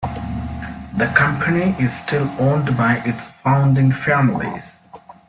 The company is still owned by its founding families.